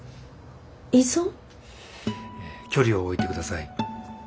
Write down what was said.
依存？え距離を置いてください。